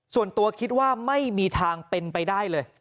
ส่วนตัวคิดว่าไม่มีทางเป็นไปได้เลย